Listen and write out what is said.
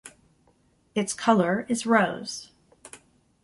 Its color is rose.